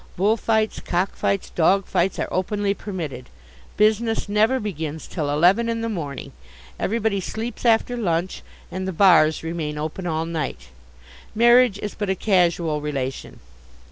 Bull fights, cock fights, dog fights, are openly permitted. Business never begins till eleven in the morning. Everybody sleeps after lunch, and the bars remain open all night. Marriage is but a casual relation.